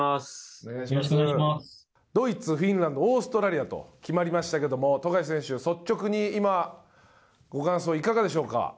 ドイツ、フィンランドオーストラリアと決まりましたけど富樫選手、率直に今ご感想いかがでしょうか？